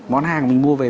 món hàng mình mua về